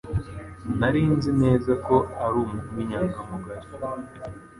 Nari nzi neza ko ari umuntu w'inyangamugayo.